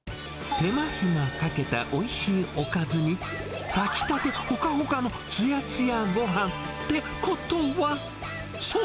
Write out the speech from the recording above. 手間暇かけた、おいしいおかずに、炊きたてほかほかのつやつやごはん。ってことは、そう！